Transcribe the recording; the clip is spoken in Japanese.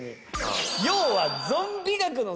要は。